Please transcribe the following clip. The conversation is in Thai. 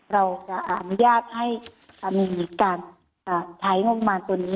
เราจะอนุญาตให้มีการใช้งบประมาณตัวนี้